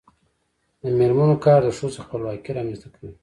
د میرمنو کار د ښځو خپلواکي رامنځته کوي.